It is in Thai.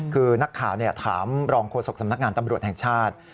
คือนักข่าวถามรองโฆษกสำนักงานตำรวจแห่งชาติ